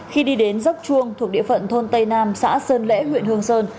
khi đi đến dốc chuông thuộc địa phận thôn tây nam xã sơn lễ huyện hương sơn